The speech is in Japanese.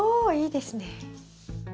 いいですね。